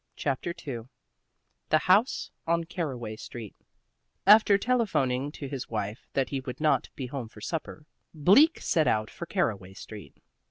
CHAPTER II THE HOUSE ON CARAWAY STREET After telephoning to his wife that he would not be home for supper, Bleak set out for Caraway Street.